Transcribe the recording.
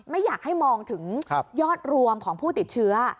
ไม่อยากให้มองถึงยอดรวมของผู้ติดเชื้อ